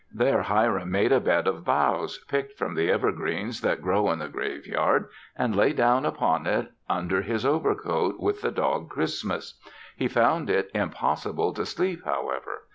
There Hiram made a bed of boughs, picked from the evergreens that grow in the graveyard, and lay down upon it under his overcoat with the dog Christmas. He found it impossible to sleep, however.